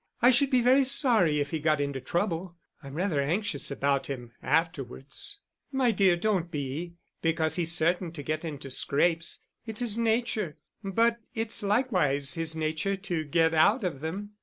I should be very sorry if he got into trouble.... I'm rather anxious about him afterwards." "My dear, don't be; because he's certain to get into scrapes it's his nature but it's likewise his nature to get out of them.